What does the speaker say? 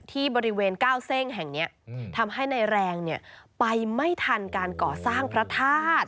ที่บริเวณก้าวเส้งแห่งนี้ทำให้ในแรงไปไม่ทันการก่อสร้างพระธาตุ